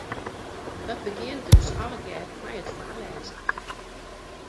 Dat begjint dus allegear mei it foarlêzen.